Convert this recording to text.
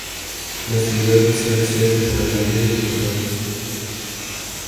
La ciudad se accede por el aire y por barco.